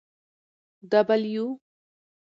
W